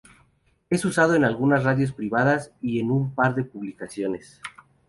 Es usado en algunas radios privadas y en un par de publicaciones.